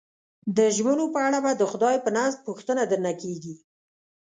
د ژمنو په اړه به د خدای په نزد پوښتنه درنه کېږي.